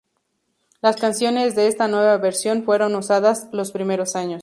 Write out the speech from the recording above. Las canciones de esta nueva versión fueron usadas los primeros años.